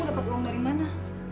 dapat uang dari mana